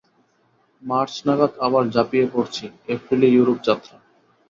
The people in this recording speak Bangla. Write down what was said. মার্চ নাগাদ আবার ঝাঁপিয়ে পড়ছি, এপ্রিলে ইউরোপ যাত্রা।